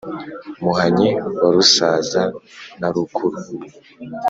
muhanyi wa rusaza na rukuru